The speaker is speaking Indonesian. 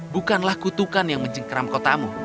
bukanlah kutukan yang menjengkram kotamu